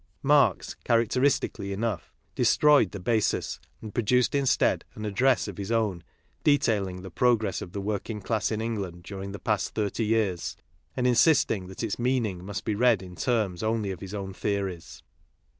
Marx, characteristically enough, destroyed the basis, and pro duced instead an address of his own detailing the pro gress of the working class in England during the past thirty years, and insisting that its meaning must be read in terms only of his own theories.